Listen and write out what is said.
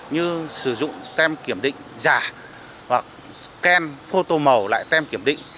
như sử dụng tem kiểm định giả hoặc scan photo màu lại tem kiểm định